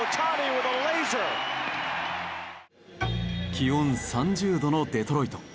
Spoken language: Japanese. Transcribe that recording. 気温３０度のデトロイト。